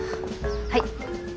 はい。